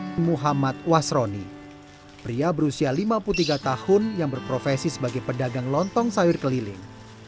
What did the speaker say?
muhammad wasroni pria berusia lima puluh tiga tahun yang berprofesi sebagai pedagang lontong sayur keliling